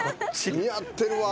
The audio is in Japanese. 似合ってるわ。